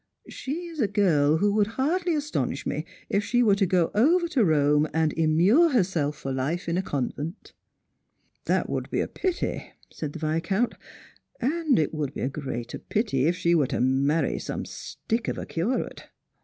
She is a girl who would hardly astonish me if she were to go over to Eome, and immure her self for life in a convent." " That would be a pity," said the Viscount; " and it would be a greater pity if she were to marry some stick of a curate."